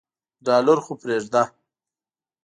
ډالر خو پریږده.